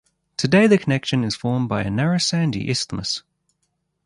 Today the connection is formed by a narrow sandy isthmus.